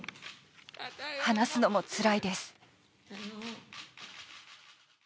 話すのもつらいです。